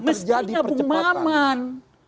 mestinya bung maman